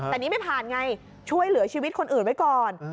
แต่นี่ไม่ผ่านไงช่วยเหลือชีวิตคนอื่นไว้ก่อน